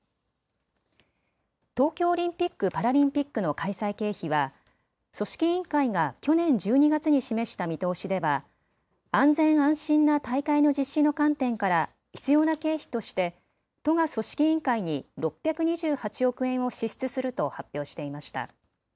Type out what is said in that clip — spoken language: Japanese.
東京オリンピック・パラリンピックの開催経費は組織委員会が去年１２月に示した見通しでは安全、安心な大会の実施の観点から必要な経費として都が組織委員会に６２８億円を支出すると発表していました。